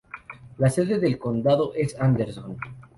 La sede del condado es Anderson.